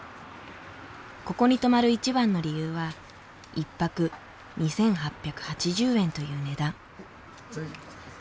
ここに泊まる一番の理由は１泊２，８８０円という値段。